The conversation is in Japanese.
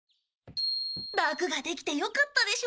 ラクができてよかったでしょ？